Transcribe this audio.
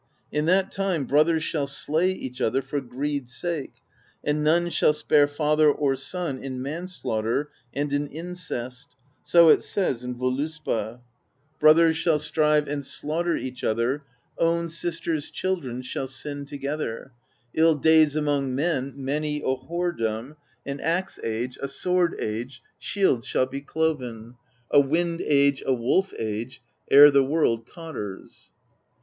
In that time brothers shall slay each other for greed's sake, and none shall spare father or son in manslaughter and in incest; so it says in Vbluspd: 78 PROSE EDDA Brothers shall strive and slaughter each other; Own sisters' children shall sin together; 111 days among men, many a whoredom: An axe age, a sword age, shields shall be cloven; A wind age, a wolf age, ere the world totters.